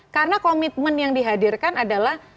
karena komitmen yang dihadirkan adalah